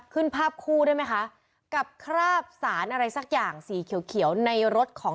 ภาพคู่ได้ไหมคะกับคราบสารอะไรสักอย่างสีเขียวเขียวในรถของ